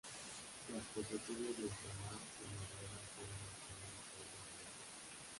Las posesiones de ultramar de Noruega fueron mantenidas por Dinamarca.